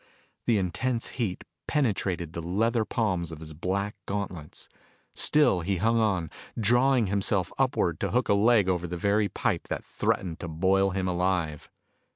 The intense heat penetrated the leather palms of his black gauntlets. Still he hung on, drawing himself upward to hook a leg over the very pipe that threatened to boil him alive.